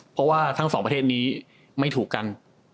เพราะว่าทั้งสองประเทศนี้ไม่ถูกกัน